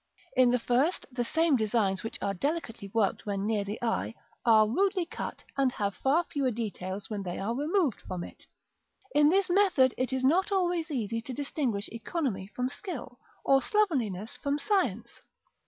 In the first, the same designs which are delicately worked when near the eye, are rudely cut, and have far fewer details when they are removed from it. In this method it is not always easy to distinguish economy from skill, or slovenliness from science.